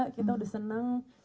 kita udah senang